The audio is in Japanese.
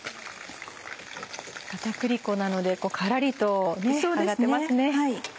片栗粉なのでカラリと揚がってますね。